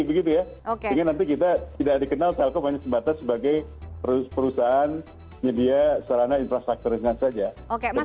sehingga nanti kita tidak dikenal telkom hanya sebatas sebagai perusahaan media secara infrastruktur